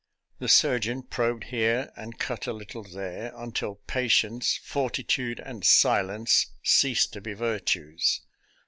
The surgeon probed here and cut a little there, until patience, fortitude, and silence ceased to be virtues.